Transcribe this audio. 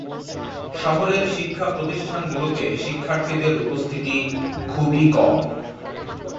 শহরের শিক্ষাপ্রতিষ্ঠানগুলোতে শিক্ষার্থীদের উপস্থিতি খুবই কম।